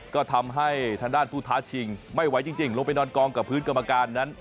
ก็ทำให้ทางด้านผู้ท้าชิงไม่ไหวจริงลงไปนอนกองกับพื้นกรรมการนั้น